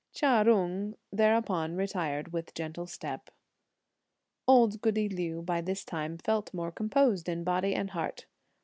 Chia Jung thereupon retired with gentle step. Old goody Liu, by this time, felt more composed in body and heart.